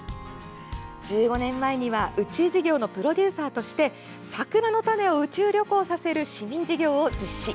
１５年前には宇宙事業のプロデューサーとして桜の種を宇宙旅行させる市民事業を実施。